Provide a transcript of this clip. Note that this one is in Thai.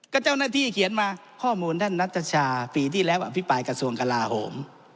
ก็เจ้าหน้าที่เขียนมาข้อมูลท่านนัทชาปีที่แล้วอภิปรายกระทรวงกลาโหม